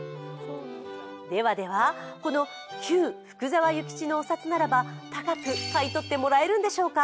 ではでは旧福沢諭吉のお札ならば高く買い取ってもらえるのでしょうか。